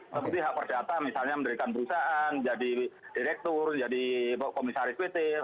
seperti hak perdata misalnya mendirikan perusahaan jadi direktur jadi komisaris pt